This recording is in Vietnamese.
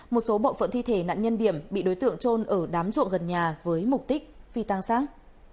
một số bộ phận thi thể nạn nhân điểm bị đối tượng trôn ở đám ruộng gần nhà với mục tích phi tăng sáng